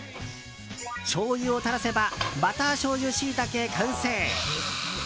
しょうゆを垂らせばバターしょうゆシイタケ完成。